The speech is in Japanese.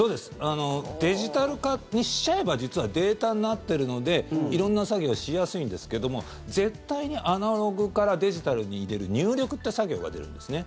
デジタル化にしちゃえば実は、データになってるので色んな作業しやすいんですけども絶対にアナログからデジタルに入れる入力って作業が出るんですね。